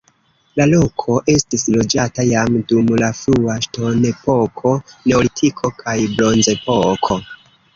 La loko estis loĝata jam dum la frua ŝtonepoko, neolitiko kaj bronzepoko.